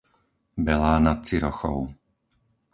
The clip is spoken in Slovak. Belá nad Cirochou